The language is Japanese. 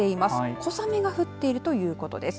小雨が降っているということです。